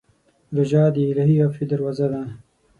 روژه د الهي عفوې دروازه ده.